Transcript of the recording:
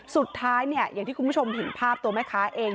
สุดท้ายเนี่ยอย่างที่คุณผู้ชมเห็นภาพตัวแม่ค้าเอง